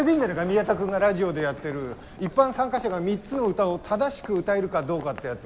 宮田君がラジオでやってる一般参加者が３つの歌を正しく歌えるかどうかってやつ。